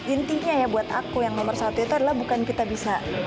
intinya ya buat aku yang nomor satu itu adalah bukan kita bisa